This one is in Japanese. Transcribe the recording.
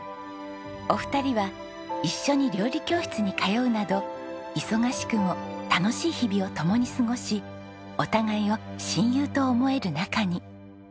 お二人は一緒に料理教室に通うなど忙しくも楽しい日々を共に過ごしお互いを親友と思える仲に。